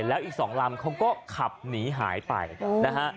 แล้วอีก๒ลำเขาก็ขับหนีหายไปนะฮะ